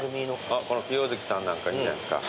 清月さんなんかいいんじゃないですか？